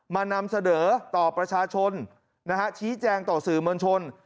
นำเสนอต่อประชาชนชี้แจงต่อสื่อมวลชน